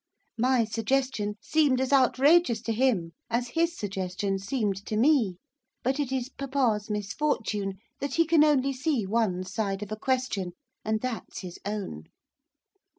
My suggestion seemed as outrageous to him as his suggestion seemed to me. But it is papa's misfortune that he can only see one side of a question, and that's his own.